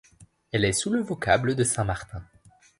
Elle est sous le vocable de Saint-Martin.